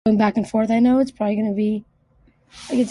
That was an error on my part.